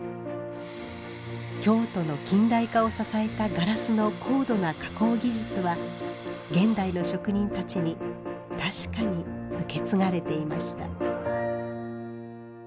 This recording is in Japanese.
京都の近代化を支えたガラスの高度な加工技術は現代の職人たちに確かに受け継がれていました。